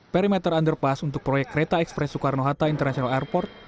perimeter underpass untuk proyek kereta ekspres soekarno hatta international airport